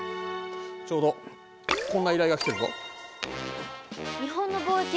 ちょうどこんな依頼が来てるぞ。